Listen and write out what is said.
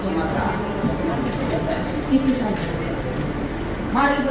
mari kita selamatkan seluruh harimau di sumatera